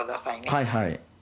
はいはい。